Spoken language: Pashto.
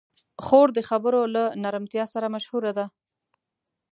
خور د خبرو له نرمتیا سره مشهوره ده.